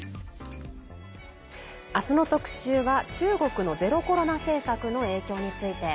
明日の特集は中国のゼロコロナ政策の影響について。